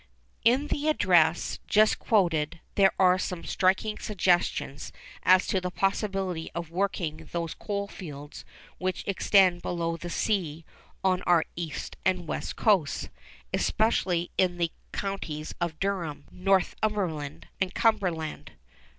_' In the address just quoted there are some striking suggestions as to the possibility of working those coal fields which extend below the sea on our east and west coasts, especially in the counties of Durham, Northumberland, and Cumberland.